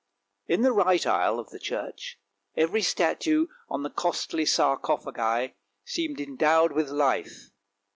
In the right aisle of the church, every statue on the costly sarcophagi seemed endowed with life.